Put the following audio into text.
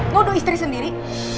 duduk istri sendiri